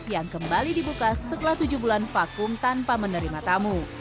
yang kembali dibuka setelah tujuh bulan vakum tanpa menerima tamu